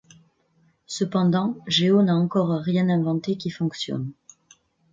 Cependant, Géo n'a encore rien inventé qui fonctionne.